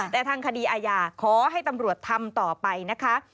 แต่ทางคดีอาญาขอให้ตำรวจทำต่อไปนะคะ